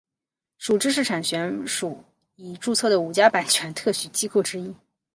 属知识产权署已注册的五家版权特许机构之一。